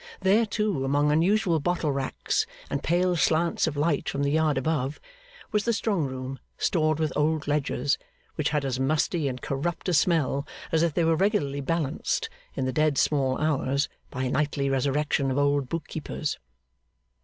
There, too, among unusual bottle racks and pale slants of light from the yard above, was the strong room stored with old ledgers, which had as musty and corrupt a smell as if they were regularly balanced, in the dead small hours, by a nightly resurrection of old book keepers.